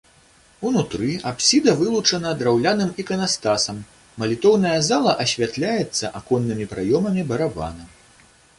Унутры апсіда вылучана драўляным іканастасам, малітоўная зала асвятляецца аконнымі праёмамі барабана.